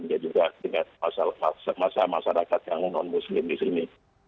dia juga dengan masyarakat yang non muslim di sini